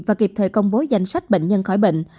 và kịp thời công bố danh sách bệnh nhân khỏi bệnh